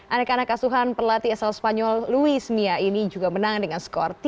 anak anak asuhan pelatih asal spanyol luis mia ini juga menang dengan skor tiga